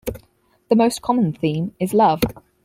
The most common theme is love.